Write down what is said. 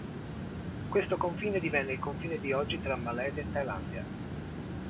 Questo confine divenne il confine di oggi tra Malesia e Thailandia.